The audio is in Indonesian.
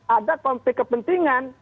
ada konflik kepentingan